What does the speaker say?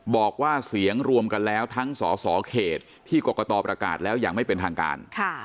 บอกว่าเสียงรวมกันแล้วทั้งสสเขตที่กรกตประกาศแล้วอย่างไม่เป็นทางการ